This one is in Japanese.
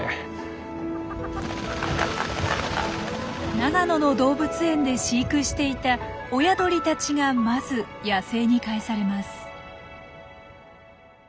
長野の動物園で飼育していた親鳥たちがまず野生に帰されます。